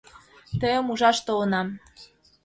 Тыйым ужаш толынам.